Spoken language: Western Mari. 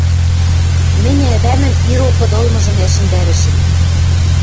Мӹнь ӓвӓмӹн ирок ыдылмыжым ӓшӹндӓрӹшӹм.